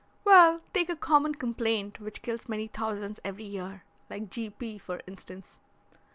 "Well, take a common complaint which kills many thousands every year, like G. P. for instance."